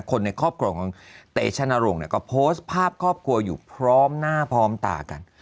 คนในครอบครัวของเตชนรงค์ก็โพสต์ภาพครอบครัวอยู่พร้อมหน้าพร้อมตากัน